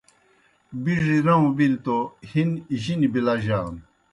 بِڙیْ رَؤں بِلیْ توْ ہِن جِنیْ بِلَجانوْ۔